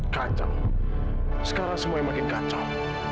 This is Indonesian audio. kacang sekarang semuanya makin kacau